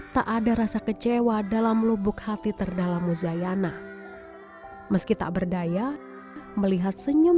nazila selalu mengalami penyakit tersebut